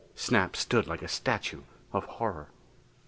Snap stood like a statue of horror.